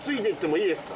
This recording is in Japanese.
いいですか？